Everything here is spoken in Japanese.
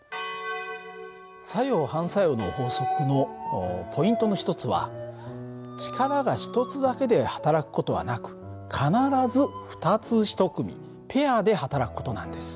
作用・反作用の法則のポイントの一つは力が１つだけではたらく事はなく必ず２つ１組ペアではたらく事なんです。